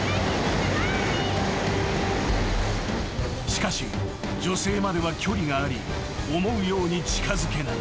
［しかし女性までは距離があり思うように近づけない］